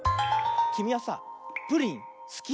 きみはさプリンすき？